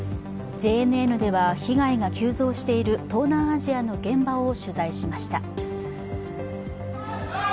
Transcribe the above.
ＪＮＮでは被害が急増している東南アジアの現場を取材しました。